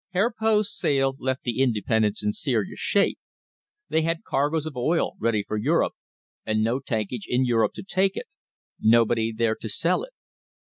Herr Poth's sale left the independents in serious shape. They had cargoes of oil ready for Europe and no tankage in Europe to take it nobody there to sell it.